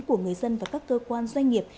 của người dân và các cơ quan doanh nghiệp